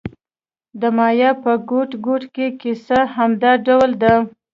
د مایا په ګوټ ګوټ کې کیسه همدا ډول ده.